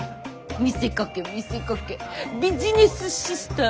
見せかけ見せかけビジネスシスターズ。